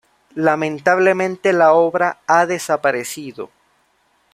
Lamentablemente, la obra ha desaparecido.